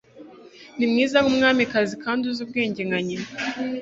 Ni mwiza nkumwamikazi kandi uzi ubwenge, nka nyina.